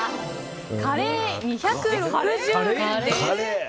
カレー、２６０円です。